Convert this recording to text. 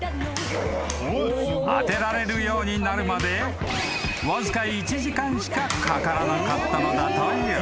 ［当てられるようになるまでわずか１時間しかかからなかったのだという］